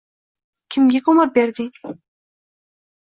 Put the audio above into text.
Kimga ko‘mir berding?